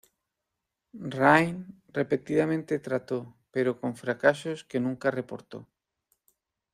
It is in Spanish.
Rhine repetidamente trató, pero con fracasos que nunca reportó.